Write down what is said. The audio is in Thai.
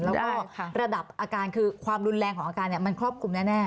แล้วก็ระดับอาการคือความรุนแรงของอาการมันครอบคลุมแน่